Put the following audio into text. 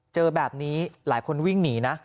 เจอแบบนี้หลายคนวิ่งหนีนะ